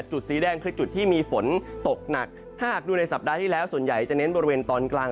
สีแดงคือจุดที่มีฝนตกหนักถ้าหากดูในสัปดาห์ที่แล้วส่วนใหญ่จะเน้นบริเวณตอนกลาง